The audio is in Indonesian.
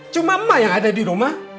cuma emak yang ada dirumah